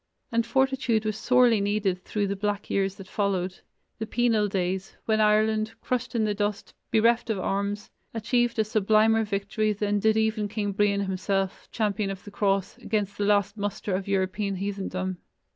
And fortitude was sorely needed through the black years that followed the penal days, when Ireland, crushed in the dust, bereft of arms, achieved a sublimer victory than did even King Brian himself, champion of the Cross, against the last muster of European heathendom.